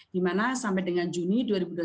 dimana sampai dengan juni dua ribu dua puluh satu